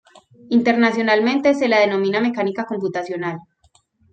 Internacionalmente se la denomina mecánica computacional.